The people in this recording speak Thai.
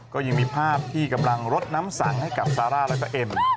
ก็ยังมีภาพที่กำลังรดน้ำสังให้กับซาร่าแล้วก็เอ็ม